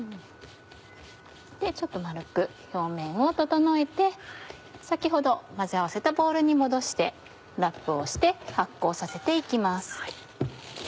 ちょっと丸く表面を整えて先ほど混ぜ合わせたボウルに戻してラップをして発酵させて行きます。